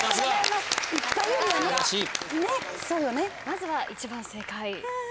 まずは１番正解。